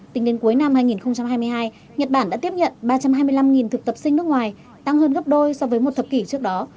tính đến cuối năm hai nghìn hai mươi hai nhật bản đã tiếp nhận ba trăm hai mươi năm thực tập sinh nước ngoài tăng hơn gấp đôi so với một thập kỷ trước đó